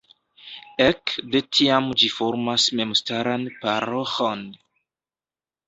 Ek de tiam ĝi formas memstaran paroĥon.